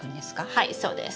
はいそうです。